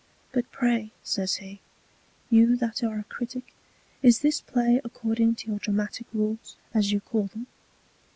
But pray, says he, you that are a Critick, is this Play according to your Dramatick Rules, as you call them?